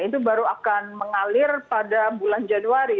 itu baru akan mengalir pada bulan januari